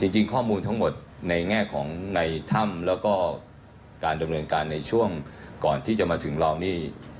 จริงข้อมูลทั้งหมดในแง่ของในถ้ำแล้วก็การดำเนินการในช่วงก่อนที่จะมาถึงเรานี่